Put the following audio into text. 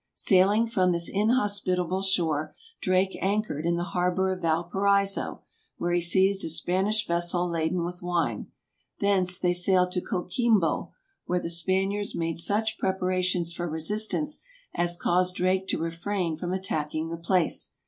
Sailing from this inhospitable shore, Drake anchored in the harbor of Valparaiso, where he seized a Spanish vessel laden with wine. Thence they sailed to Coquimbo, where the Spaniards made such preparations for resistance as caused Drake to refrain from attacking the place.